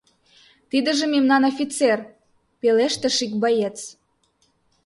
— Тидыже мемнан офицер, — пелештыш ик боец.